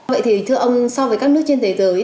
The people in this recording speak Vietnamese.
vậy thì thưa ông so với các nước trên thế giới